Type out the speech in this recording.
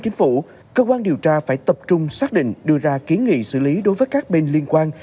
nguyễn vũ cơ quan điều tra phải tập trung xác định đưa ra ký nghị xử lý đối với các bên liên quan